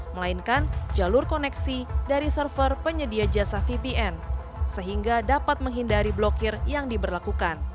melainkan jalur koneksi dari server penyedia jasa vbn sehingga dapat menghindari blokir yang diberlakukan